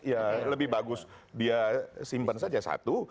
ya lebih bagus dia simpan saja satu